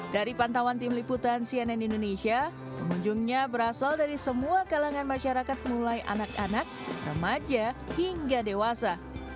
dari pantauan tim liputan cnn indonesia pengunjungnya berasal dari semua kalangan masyarakat mulai anak anak remaja hingga dewasa